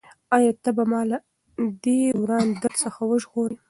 ایا ته به ما له دې روان درد څخه وژغورې؟